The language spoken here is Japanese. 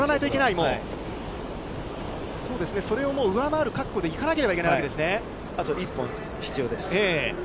そうですね、それをもう上回る覚悟でいかなければいけないわけであと一本必要です。